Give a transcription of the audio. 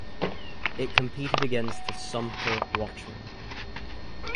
It competed against the "Sumter Watchman".